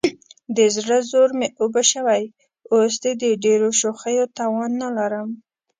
د زړه زور مې اوبه شوی، اوس دې د ډېرو شوخیو توان نه لرم.